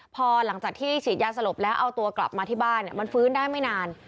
พอหลังจากที่ฉีดยาสลบแล้วเอาตัวกลับมาที่บ้านมันฟื้นได้ไม่นาน